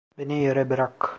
Beni yere bırak!